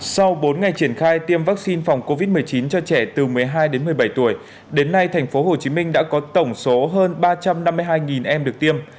sau bốn ngày triển khai tiêm vaccine phòng covid một mươi chín cho trẻ từ một mươi hai đến một mươi bảy tuổi đến nay tp hcm đã có tổng số hơn ba trăm năm mươi hai em được tiêm